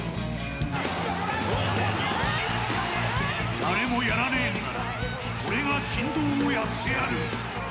誰もやらねえのなら俺が神童をやってやる。